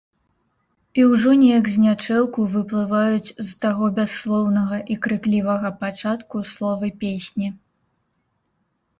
І ўжо неяк знячэўку выплываюць з таго бясслоўнага і крыклівага пачатку словы песні.